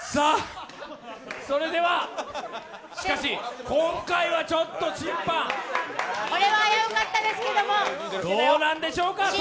それではしかし、今回はちょっと審判、どうなんでしょうか。